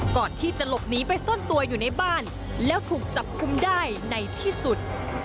ก่อนที่จะหลบหนีไปซ่อนตัวอยู่ในบ้านแล้วถูกจับคุมได้ในที่สุด